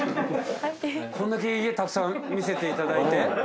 こんだけ家たくさん見せていただいて？